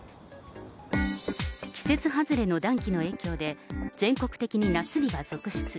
季節外れの暖気の影響で、全国的に夏日が続出。